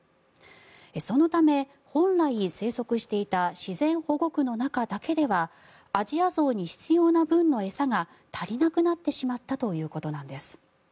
そのため、本来生息していた自然保護区の中だけではアジアゾウに必要な分の餌が足りなくなってしまったということなんです。